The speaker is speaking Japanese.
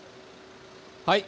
はい。